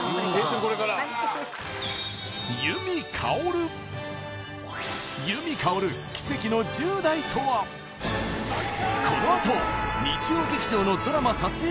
これからはいこのあと日曜劇場のドラマ撮影